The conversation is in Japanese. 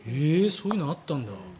そういうのあったんだ。